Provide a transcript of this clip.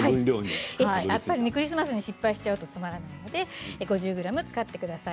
クリスマスに失敗しちゃうとつまらないので５０ｇ使ってください。